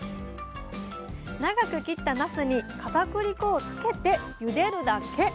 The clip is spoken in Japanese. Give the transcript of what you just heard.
長く切ったなすにかたくり粉をつけてゆでるだけ！